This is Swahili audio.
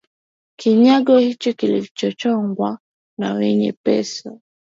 kinyago hicho kilichochongwa na wenye pesa